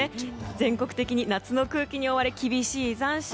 全国的に夏の空気に覆われ厳しい残暑。